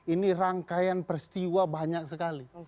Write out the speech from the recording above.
ini rangkaian peristiwa banyak sekali